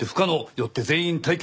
よって全員退却。